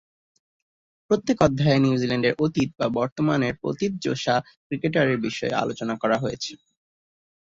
প্রত্যেক অধ্যায়ে নিউজিল্যান্ডের অতীত বা বর্তমানের প্রথিতযশা ক্রিকেটারের বিষয়ে আলোচনা করা হয়েছে।